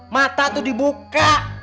mata tuh dibuka